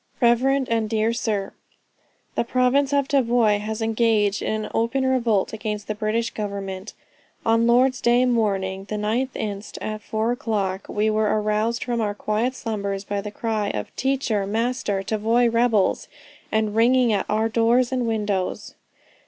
"REV. AND DEAR SIR, "The province of Tavoy has engaged in an open revolt against the British government. On Lord's day morning, the 9th inst. at 4 o'clock, we were aroused from our quiet slumbers by the cry of 'Teacher, master, Tavoy rebels,' and ringing at all our doors and windows.